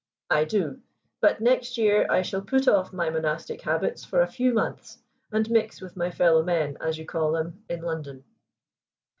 "I do. But next year I shall put off my monastic habits for a few months, and mix with my fellow men, as you call them, in London."